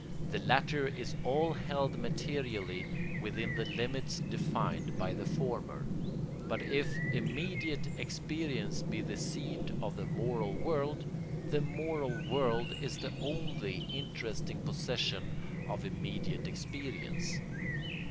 The latter is all held materially within the limits defined by the former; but if immediate experience be the seat of the moral world, the moral world is the only interesting possession of immediate experience.